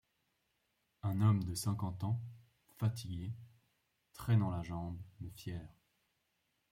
Un homme de cinquante ans, fatigué, traînant la jambe, mais fier.